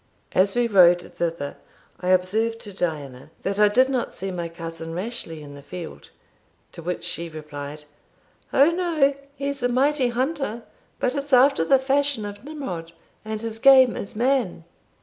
As we rode thither, I observed to Diana, "that I did not see my cousin Rashleigh in the field;" to which she replied, "O no he's a mighty hunter, but it's after the fashion of Nimrod, and his game is man."